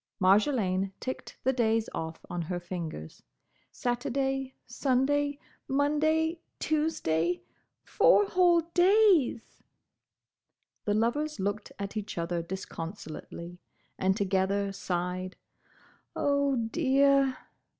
Marjolaine ticked the days off on her fingers. "Saturday—Sunday—Monday—Tuesday—! Four whole days!—" The lovers looked at each other disconsolately, and together sighed, "Oh, dear!"